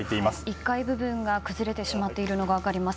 １階部分が崩れてしまっているのが分かります。